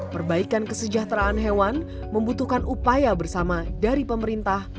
perbaikan kesejahteraan hewan membutuhkan upaya bersama dari pemerintah